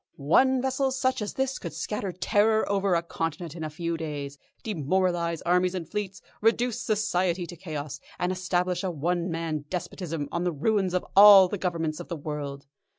One vessel such as this could scatter terror over a continent in a few days, demoralise armies and fleets, reduce Society to chaos, and establish a one man despotism on the ruins of all the Governments of the world.